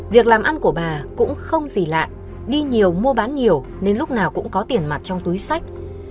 việc làm ăn của bà cũng không gì lạ đi nhiều mua bán nhiều nên lúc nào cũng có tiền mặt trong túi sách